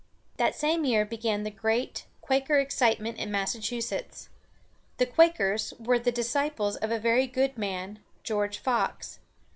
That same year began the great Quaker excitement in Massachusetts. The Quakers were the disciples of a very good man, George Fox.